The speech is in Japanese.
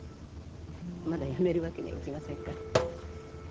まだ辞めるわけにはいきませんから。